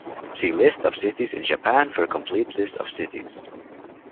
See List of cities in Japan for a complete list of cities.